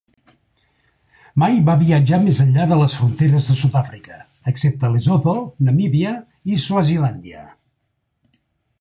Mai va viatjar més enllà de les fronteres de Sudàfrica, excepte Lesotho, Namibia i Swazilàndia.